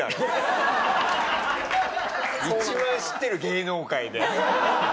一番知ってる芸能界で。